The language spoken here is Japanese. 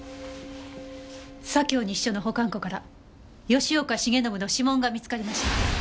左京西署の保管庫から吉岡繁信の指紋が見つかりました。